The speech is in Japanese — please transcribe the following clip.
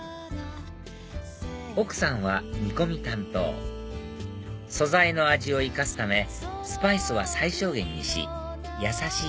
奥さんは煮込み担当素材の味を生かすためスパイスは最小限にしやさしい